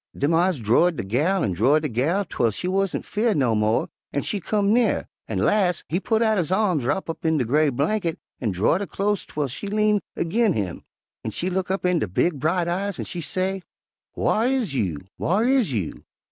Dem eyes drord de gal an' drord de gal 'twel she warn't 'feared no mo', an' she come nearer, an' las' he putt out his arms wrop up in de gray blanket an' drord her clost 'twel she lean erg'in him, an' she look up in de big, bright eyes an' she say, 'Whar is you, whar is you?'